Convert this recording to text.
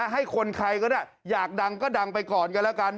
ให้คนใครก็ได้อยากดังก็ดังไปก่อนกันแล้วกัน